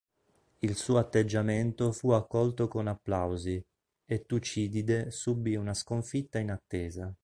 Il suo atteggiamento fu accolto con applausi, e Tucidide subì una sconfitta inattesa.